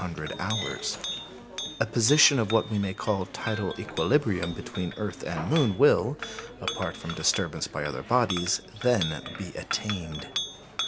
A position of what we may call tidal equilibrium between earth and moon will (apart from disturbance by other bodies) then be attained.